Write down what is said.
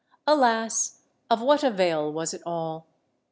Alas! of what avail was it all?